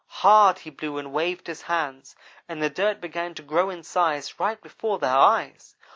Hard he blew and waved his hands, and the dirt began to grow in size right before their eyes.